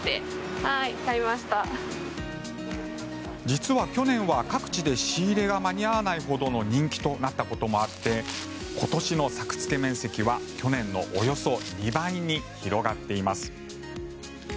実は去年は各地で仕入れが間に合わないほどの人気となったこともあって今年の作付面積は去年のおよそ２倍に広がっています。